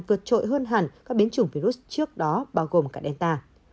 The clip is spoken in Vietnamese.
vượt trội hơn hẳn các biến chủng virus trước đó bao gồm cả delta